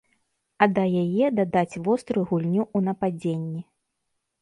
А да яе дадаць вострую гульню ў нападзенні.